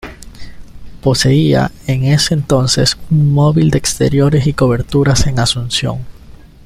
Poseía, en ese entonces, un móvil de exteriores y cobertura en Asunción.